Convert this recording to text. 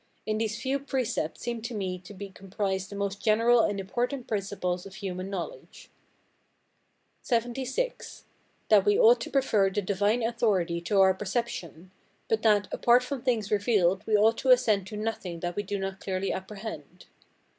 In these few precepts seem to me to be comprised the most general and important principles of human knowledge. LXXVI. That we ought to prefer the Divine authority to our perception; [Footnote: "reasonings." FRENCH]. but that, apart from things revealed, we ought to assent to nothing that we do not clearly apprehend.